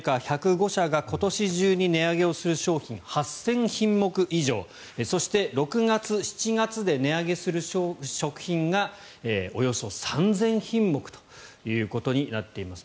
主な食品メーカー１０５社が今年中に値上げをする商品８０００品目以上そして、６月、７月で値上げする食品がおよそ３０００品目ということになっています。